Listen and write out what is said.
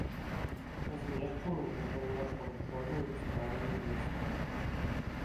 Размешчаны на паўночна-заходняй ускраіне вёскі.